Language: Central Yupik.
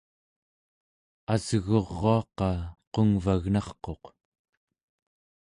asguruaqa qungvagnarquq